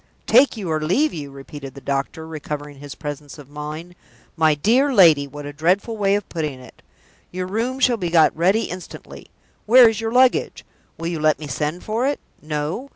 "Take you or leave you?" repeated the doctor, recovering his presence of mind. "My dear lady, what a dreadful way of putting it! Your room shall be got ready instantly! Where is your luggage? Will you let me send for it? No?